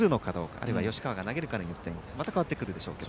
あるいは吉川が投げるかによってまた変わってくるでしょう。